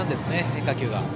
変化球が。